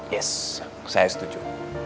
yes saya setuju